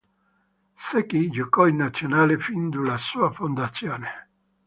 Zeki giocò in Nazionale fin dalla sua fondazione.